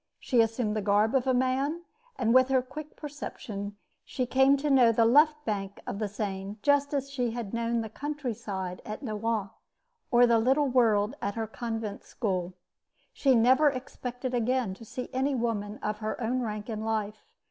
She assumed the garb of a man, and with her quick perception she came to know the left bank of the Seine just as she had known the country side at Nohant or the little world at her convent school. She never expected again to see any woman of her own rank in life.